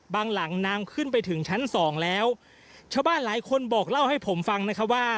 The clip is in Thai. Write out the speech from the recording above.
หลังน้ำขึ้นไปถึงชั้นสองแล้วชาวบ้านหลายคนบอกเล่าให้ผมฟังนะครับว่า